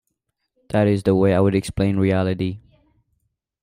That is the way I would explain reality.